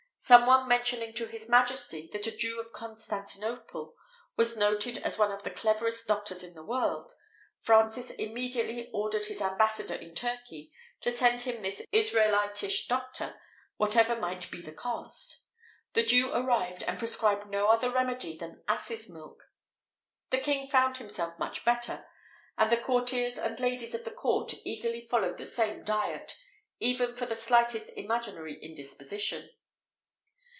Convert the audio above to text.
Some one mentioning to his Majesty that a Jew of Constantinople was noted as one of the cleverest doctors in the world, Francis immediately ordered his ambassador in Turkey to send him this Israelitish doctor, whatever might be the cost. The Jew arrived, and prescribed no other remedy than asses' milk. The king found himself much better, and the courtiers and ladies of the court eagerly followed the same diet, even for the slightest imaginary indisposition.